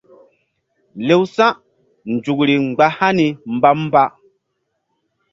Lew sa̧nzukri mgba hani mba-mba.